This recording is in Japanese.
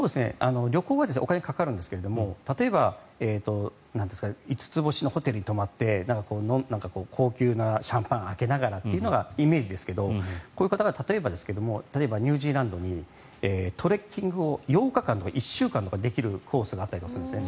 旅行はお金がかかるんですが例えば５つ星のホテルに泊まって高級なシャンパンを開けながらというのがイメージですけどこういう方が例えばですけど例えばニュージーランドにトレッキングを８日間とか１週間できるコースがあったりするんですね